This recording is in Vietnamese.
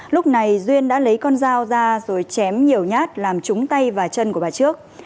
lúc này duyên đã lấy con dao ra rồi chém nhiều nhát làm trúng tay và chân của bà trước